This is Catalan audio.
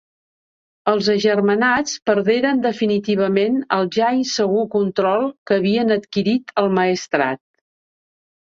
Els agermanats perderen definitivament el ja insegur control que havien adquirit el Maestrat.